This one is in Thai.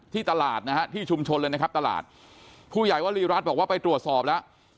ตลาดนะฮะที่ชุมชนเลยนะครับตลาดผู้ใหญ่วรีรัฐบอกว่าไปตรวจสอบแล้ว